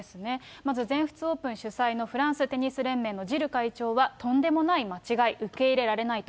まず全仏オープン主催のフランステニス連盟のジル会長は、とんでもない間違い、受け入れられないと。